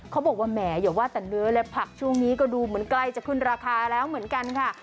เขาบอกว่าแหมอย่าว่าแต่เนื้อและผักช่วงนี้ก็ดูเหมือนใกล้จะขึ้นราคาแล้วเหมือนกันค่ะ